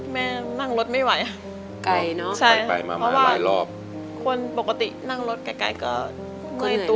ก็ไม่ครบตายไปแต่คุณดาวของคุณพ่อคุณแม่เหรอครับ